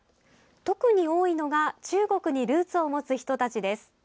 特に多いのが中国にルーツを持つ人たちです。